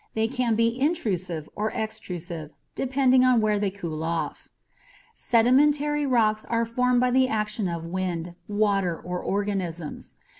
They can be intrusive or extrusive depending on where they cooled off. Sedimentary rocks are formed by the action of wind, water, or organisms.